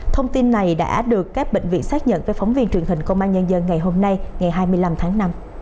thông tin này đã được các bệnh viện xác nhận với phóng viên truyền hình công an nhân dân ngày hôm nay ngày hai mươi năm tháng năm